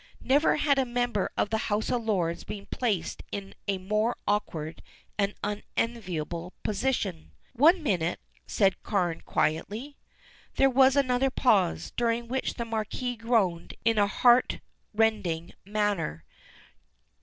Never had a member of the House of Lords been placed in a more awkward and unenviable position. "One minute," said Carne quietly. There was another pause, during which the Marquis groaned in a heartrending manner.